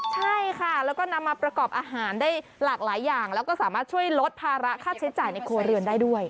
ใช่ค่ะแล้วก็นำมาประกอบอาหารได้หลากหลายอย่างแล้วก็สามารถช่วยลดภาระค่าใช้จ่ายในครัวเรือนได้ด้วย